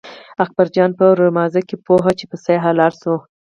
اکبر جان په رمازه کې پوهوه چې پسه حلال شوی.